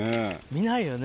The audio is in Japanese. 見ないよね。